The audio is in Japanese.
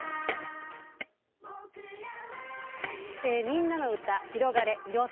みんなのうた「ひろがれ！いろ